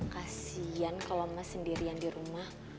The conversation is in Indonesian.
kasian kalau mas sendirian di rumah